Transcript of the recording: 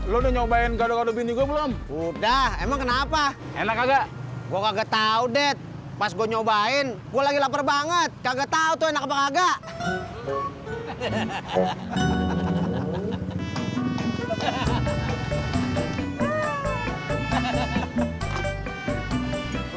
lu nyoba perempuan juga belum udah emang kenapa enak nggak gua kagbacks jasmo nyobain gua lagi lapar banget kaget untuk enak apa enak kaget enak kah nggak desa kasulnya nas vikflawi